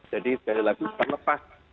jadi sekali lagi terlepas